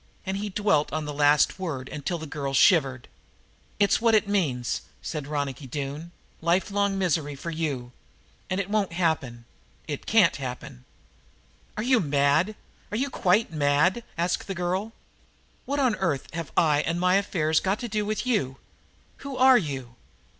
And he dwelt on the last word until the girl shivered. "It's what it means," said Ronicky Doone, "life long misery for you. And it won't happen it can't happen." "Are you mad are you quite mad?" asked the girl. "What on earth have I and my affairs got to do with you? Who are you?"